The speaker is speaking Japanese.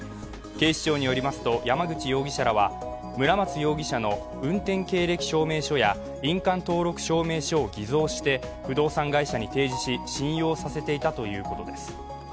警視庁によりますと山口容疑者らは村松容疑者の運転経歴証明書や印鑑登録証明書を偽造して不動産会社に提示し信用させていたということです。